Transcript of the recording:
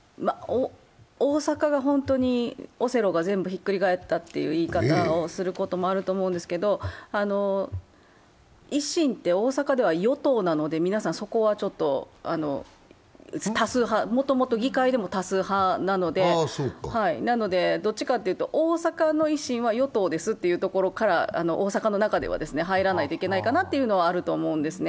大阪が本当にオセロが全部ひっくり返ったという言い方をすることもあると思うんですけど、維新って大阪では与党なので、皆さんそこはちょっと、もともと議会でも多数派なので、どっちかというと大阪の維新は与党ですというところから大阪の中では入らないといけないなと思うんですね。